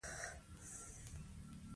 انګریزان به حلالېږي.